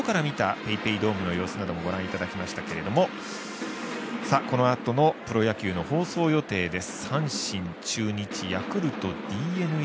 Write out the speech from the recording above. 今日は随所に外から見たＰａｙＰａｙドームなどの様子もご覧いただきましたけどもこのあとのプロ野球の放送予定です。